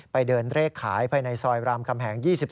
ไปเดินเลขขายภายในซอยรามคำแหง๒๔